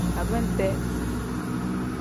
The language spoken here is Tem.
Abente.